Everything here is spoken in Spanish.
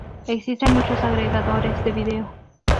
Existen muchos agregadores de video.